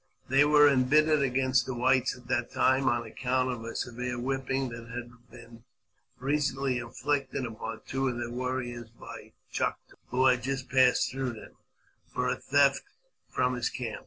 They were em bittered against the whites at that time, on account of a severe whipping that had been recently inflicted upon two of their warriors by Chouteau, who had just passed through them, for a theft from his camp.